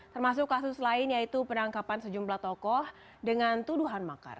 termasuk kasus lain yaitu penangkapan sejumlah tokoh dengan tuduhan makar